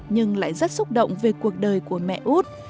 nhưng lại rất xúc động về cuộc đời của mẹ út